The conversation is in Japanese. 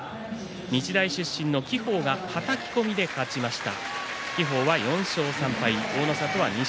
日大出身の輝鵬がはたき込みで勝ちました。